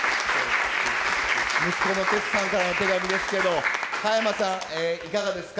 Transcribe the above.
息子の徹さんからのお手紙ですけれども、加山さん、いかがですか？